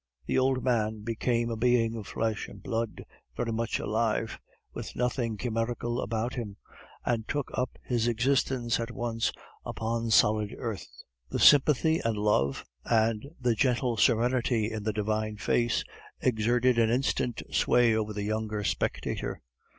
The old man became a being of flesh and blood, very much alive, with nothing chimerical about him, and took up his existence at once upon solid earth. The sympathy and love, and the gentle serenity in the divine face, exerted an instant sway over the younger spectator.